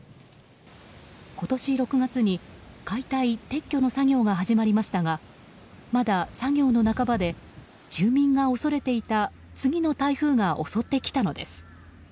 今年６月に解体・撤去の作業が始まりましたがまだ作業の半ばで住民が恐れていた次の台風が襲ってきたのです。